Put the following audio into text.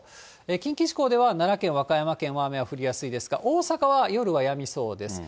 近畿地方では奈良県、和歌山県は雨は降りやすいですが、大阪は夜はやみそうです。